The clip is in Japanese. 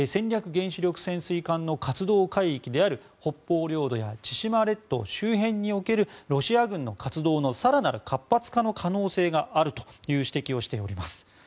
原子力潜水艦の活動海域である北方領土や千島列島周辺におけるロシア軍の活動の更なる活発化の可能性があるという指摘をしております。